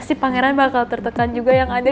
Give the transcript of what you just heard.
si pangeran bakal tertekan juga yang ada